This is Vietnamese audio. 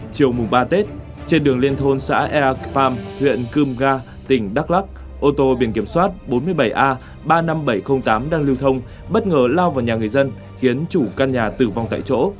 chiều mùng ba tết trên đường liên thôn xã ea kam huyện cưm ga tỉnh đắk lắc ô tô biển kiểm soát bốn mươi bảy a ba mươi năm nghìn bảy trăm linh tám đang lưu thông bất ngờ lao vào nhà người dân khiến chủ căn nhà tử vong tại chỗ